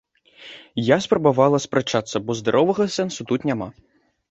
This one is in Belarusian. Я спрабавала спрачацца, бо здаровага сэнсу тут няма.